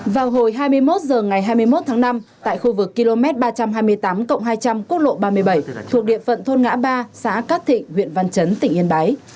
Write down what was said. vào hồi hai mươi một h ngày hai mươi một tháng năm tại khu vực km ba trăm hai mươi tám hai trăm linh quốc lộ ba mươi bảy thuộc địa phận thôn ngã ba xã cát thịnh huyện văn chấn tỉnh yên bái